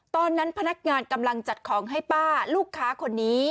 ตอนนั้นพนักงานกำลังจัดของให้ป้าลูกค้าคนนี้